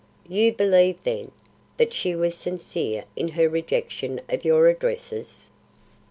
"You believe, then, that she was sincere in her rejection of your addresses?"